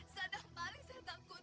saya adalah yang paling takut